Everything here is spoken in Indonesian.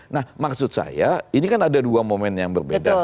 nah maksud saya ini kan ada dua momen yang berbeda